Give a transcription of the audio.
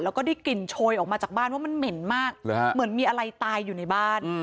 แล้วก็ได้กลิ่นโชยออกมาจากบ้านว่ามันเหม็นมากเหมือนมีอะไรตายอยู่ในบ้าน